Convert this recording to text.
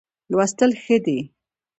لوستل ښه دی.